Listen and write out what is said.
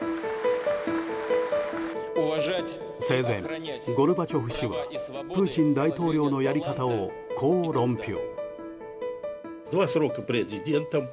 生前、ゴルバチョフ氏はプーチン大統領のやり方をこう論評。